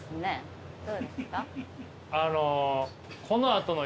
あの。